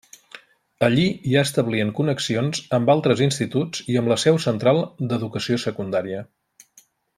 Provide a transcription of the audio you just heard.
Allí ja establien connexions amb altres instituts i amb la seu central d'Educació Secundària.